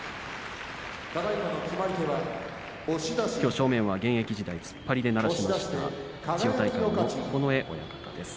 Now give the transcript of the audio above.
正面は現役時代突っ張りで鳴らしました千代大海の九重親方です。